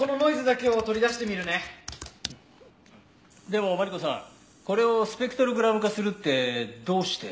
でもマリコさんこれをスペクトログラム化するってどうして？